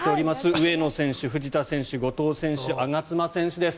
上野選手、藤田選手後藤選手、我妻選手です。